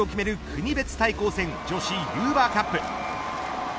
国別対抗戦女子ユーバーカップ。